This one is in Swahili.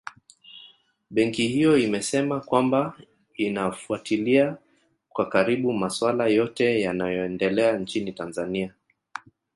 Benki hiyo imesema kwamba inafuatilia kwa karibu maswala yote yanayoendelea nchini Tanzania